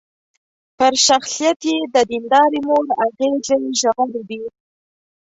پر شخصيت يې د ديندارې مور اغېزې ژورې دي.